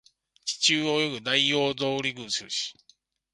地中を泳ぐダイオウグソクムシ